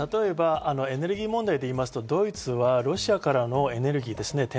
エネルギー問題でいいますとドイツがロシアからのエネルギーですね。